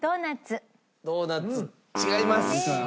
ドーナツ違います！